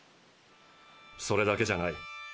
それだけじゃない。